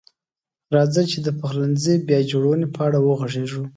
راځئ چې د پخلنځي بیا جوړونې په اړه وغږیږو.